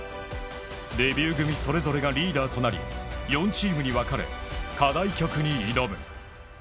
デビュー組それぞれがリーダーとなり、４チームにわかれ、課題曲に挑む。